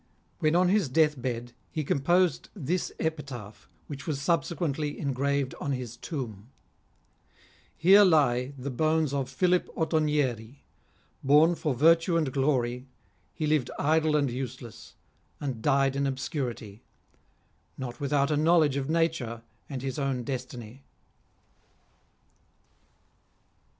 " When on his deathbed, he composed this epitaph, which was subsequently engraved on his tomb : HERB LIB THE BONES OP PHILIP OTTONIEEL BORN FOR VIRTUE AND GLORY, HE LIVED IDLE AND USELESS, AND DIED IN OBSCURITY; NOT WITHOUT A KNOWLEDGE OP NATURE AND HIS OWN DESTINY.